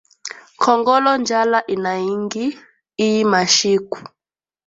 Kongolo njala inaingi iyi mashiku